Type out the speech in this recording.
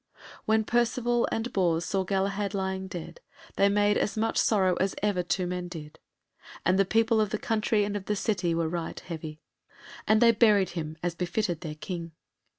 When Percivale and Bors saw Galahad lying dead they made as much sorrow as ever two men did, and the people of the country and of the city were right heavy. And they buried him as befitted their King.